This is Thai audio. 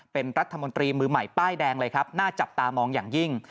เป็นรัฐมนตรีมือใหม่ป้ายแดงเลยครับน่าจับตามองอย่างยิ่ง